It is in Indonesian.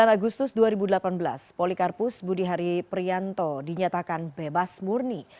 sembilan agustus dua ribu delapan belas polikarpus budihari prianto dinyatakan bebas murni